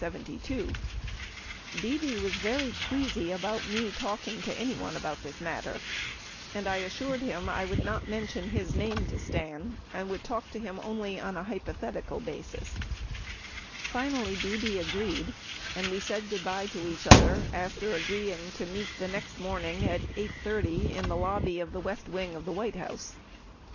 Bebe was very queasy about me talking to anyone about this matter, and I assured him I would not mention his name to Stan, and would talk to him only on a hypothetical basis Finally, Bebe agreed and we said goodbye to each other after agreeing to meet the next morning at 8 :30 in the lobby of the West Wing of the White House.